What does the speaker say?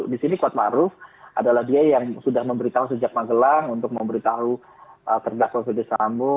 di sini kuat maruf adalah dia yang sudah memberitahu sejak magelang untuk memberitahu terdakwa ferdisambo